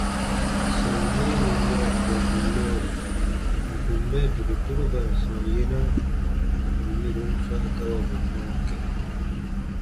Sɔm yee nì nu ra tɔmbu nɔɔri ǹ kun mɛ dokotoroban sɔm yena nù yɛ̃ron swa gawabu nɔɔ kã.